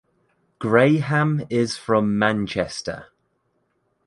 Graham is from Manchester.